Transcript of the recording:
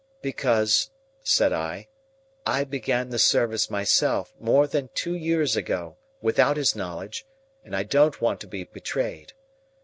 "Because," said I, "I began the service myself, more than two years ago, without his knowledge, and I don't want to be betrayed.